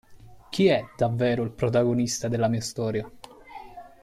Chi è davvero il protagonista della mia storia?